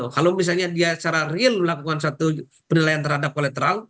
kalau misalnya dia secara real melakukan satu penilaian terhadap kolateral